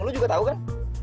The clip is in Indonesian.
lo juga tahu kan